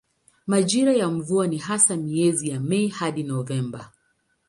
Majira ya mvua ni hasa miezi ya Mei hadi Novemba.